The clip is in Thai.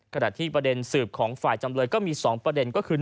ขณะที่ประเด็นสืบของฝ่ายจำเลยก็มี๒ประเด็นก็คือ